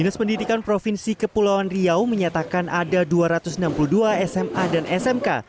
dinas pendidikan provinsi kepulauan riau menyatakan ada dua ratus enam puluh dua sma dan smk